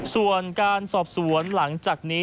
ส่วนการสอบสวนหลังจากนี้